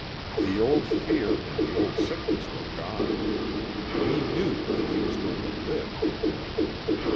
The old fear and the old sickness were gone. He knew that he was going to live.